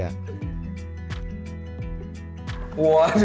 dan ternyata di wilayah perkotaan